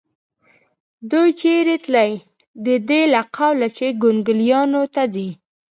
دوی چېرې تلې؟ د دې له قوله چې کونګلیانو ته ځي.